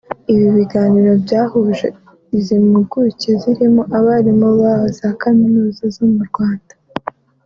Ibi biganiro byahuje izi mpuguke zirimo abarimu ba za kaminuza zo mu Rwanda